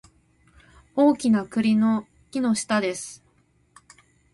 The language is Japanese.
大きな栗の木の下です